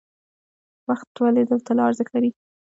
وخت ولې د طلا ارزښت لري؟